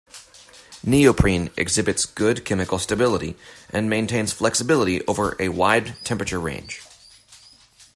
Neoprene exhibits good chemical stability and maintains flexibility over a wide temperature range.